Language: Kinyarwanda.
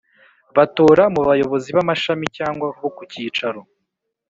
Batora mu bayobozi b amashami cyangwa bo ku kicaro